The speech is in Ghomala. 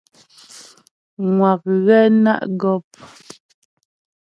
Ŋwa' ghɛ ná' gɔ́p.